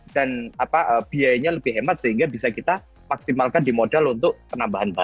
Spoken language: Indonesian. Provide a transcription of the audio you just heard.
dan biayanya lebih hemat sehingga bisa kita maksimalkan di modal untuk penambahan barang